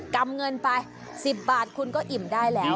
ำเงินไป๑๐บาทคุณก็อิ่มได้แล้ว